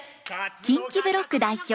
近畿ブロック代表